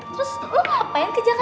terus lo ngapain ke jakarta